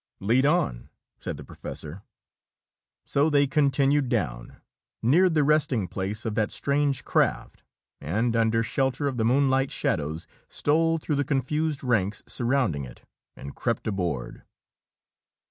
"Lead on!" said the professor. So they continued down, neared the resting place of that strange craft, and, under shelter of the moonlight shadows, stole through the confused ranks surrounding it and crept aboard.